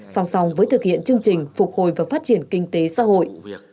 song song với thực hiện chương trình phục hồi và phát triển kinh tế xã hội